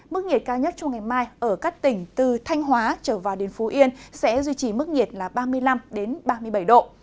mức nhiệt cao nhất trong ngày mai ở các tỉnh từ thanh hóa trở vào đến phú yên sẽ duy trì mức nhiệt là ba mươi năm ba mươi bảy độ